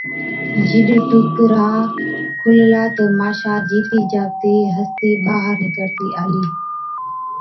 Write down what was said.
جِڏ ٽوڪرا کوللا تہ ماشا جِيتِي جاگتِي هَستِي ٻاهر نِڪرتِي آلِي۔